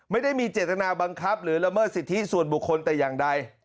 ไม่ได้มีเจตนาบังคับหรือละเมิดสิทธิส่วนบุคคลแต่อย่างใด